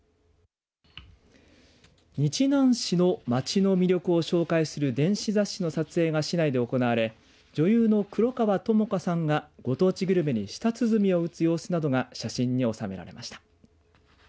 日南市の街の魅力を紹介する電子雑誌の撮影が市内で行われ女優の黒川智花さんがご当地グルメに舌鼓を打つ様子などが写真に収められました。